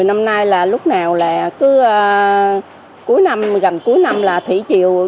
một mươi năm nay là lúc nào là cứ cuối năm gần cuối năm là thủy chiều